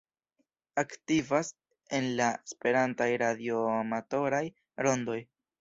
Aktivas en la esperantaj radioamatoraj rondoj.